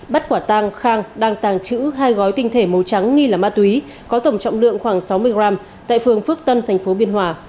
bắt quả tàng khang đang tàng trữ hai gói tinh thể màu trắng nghi là ma túy có tổng trọng lượng khoảng sáu mươi g tại phường phước tân tp biên hòa